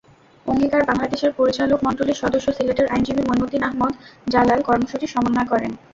অঙ্গীকার বাংলাদেশের পরিচালকমণ্ডলীর সদস্য সিলেটের আইনজীবী মইনুদ্দিন আহমদ জালাল কর্মসূচির সমন্বয় করেন।